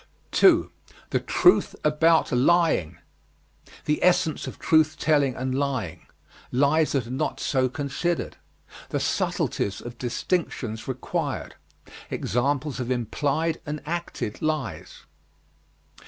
2. THE TRUTH ABOUT LYING. The essence of truth telling and lying. Lies that are not so considered. The subtleties of distinctions required. Examples of implied and acted lies.